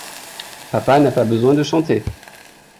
Papa n’a pas besoin de chanter.